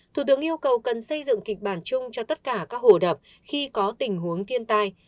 thủ tướng yêu cầu cần xây dựng kịch bản chung cho tất cả các hồ đập khi có tình huống thiên tai